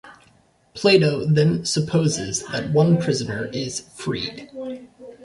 Plato then supposes that one prisoner is freed.